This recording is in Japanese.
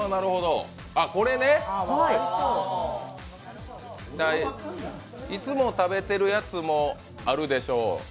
これね、いつも食べてるやつもあるでしょう。